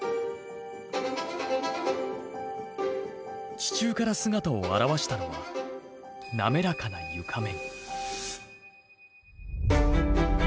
地中から姿を現したのは滑らかな床面。